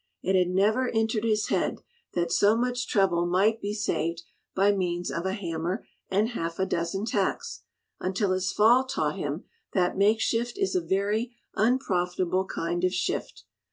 It had never entered his head that so much trouble might be saved by means of a hammer and half a dozen tacks, until his fall taught him that makeshift is a very unprofitable kind of shift.